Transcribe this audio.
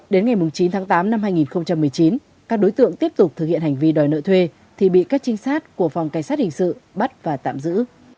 đến ngày chín tháng tám năm hai nghìn một mươi chín các đối tượng tiếp tục thực hiện hành vi đòi nợ thuê thì bị các trinh sát của phòng cảnh sát hình sự bắt và tạm giữ